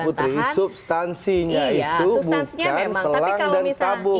putri substansinya itu bukan selang dan tabung